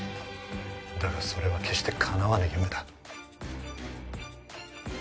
だがそれは決して叶わぬ夢だ。